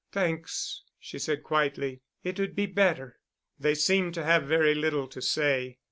"Thanks," she said quietly, "it would be better." They seemed to have very little to say.